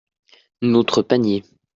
Notre panier.